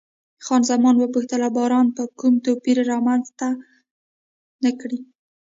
خان زمان وپوښتل، او باران به کوم توپیر رامنځته نه کړي؟